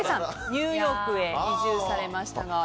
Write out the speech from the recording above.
ニューヨークへ移住されましたが。